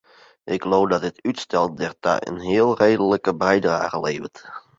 Ik leau dat dit útstel dêrta in heel reedlike bydrage leveret.